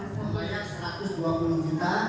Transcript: membayar satu ratus dua puluh juta